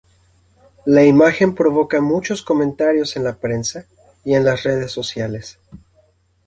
La imagen provoca muchos comentarios en la prensa y en las redes sociales.